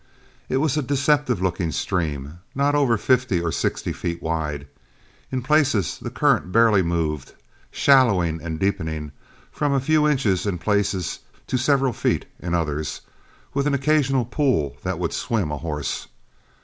It was a deceptive looking stream, not over fifty or sixty feet wide. In places the current barely moved, shallowing and deepening, from a few inches in places to several feet in others, with an occasional pool that would swim a horse.